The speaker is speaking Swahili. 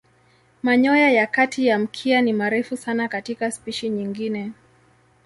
Manyoya ya kati ya mkia ni marefu sana katika spishi nyingine.